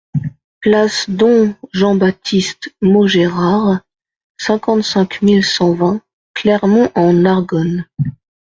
Place Dom Jean-Baptiste Maugérard, cinquante-cinq mille cent vingt Clermont-en-Argonne